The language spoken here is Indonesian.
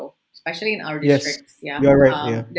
terutama di kawasan kita